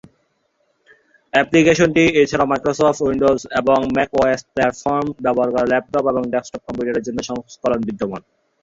অ্যাপ্লিকেশনটি এছাড়াও Microsoft Windows এবং ম্যাক ওএস প্ল্যাটফর্ম ব্যবহার করে ল্যাপটপ এবং ডেস্কটপ কম্পিউটারের জন্য সংস্করণ বিদ্যমান।